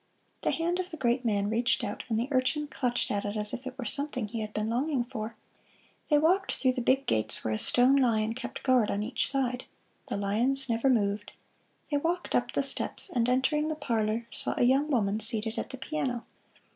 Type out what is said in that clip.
The hand of the great man reached out, and the urchin clutched at it as if it were something he had been longing for. They walked through the big gates where a stone lion kept guard on each side. The lions never moved. They walked up the steps, and entering the parlor saw a young woman seated at the piano.